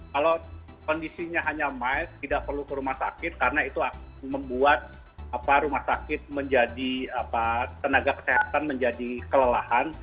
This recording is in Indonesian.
kalau kondisinya hanya miles tidak perlu ke rumah sakit karena itu membuat rumah sakit menjadi tenaga kesehatan menjadi kelelahan